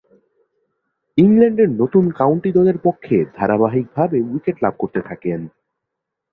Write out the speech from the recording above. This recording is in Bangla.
ইংল্যান্ডের নতুন কাউন্টি দলের পক্ষে ধারাবাহিকভাবে উইকেট লাভ করতে থাকেন।